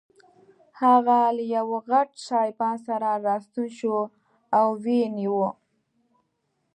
هغه له یوه غټ سایبان سره راستون شو او ویې نیو.